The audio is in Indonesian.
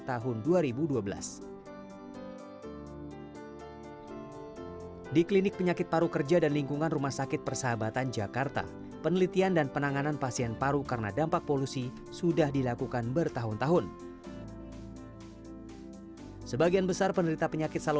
alasannya anggota induksi manfaatnya berharga emerging dengan modal ukuran pand inclusive targeting oasi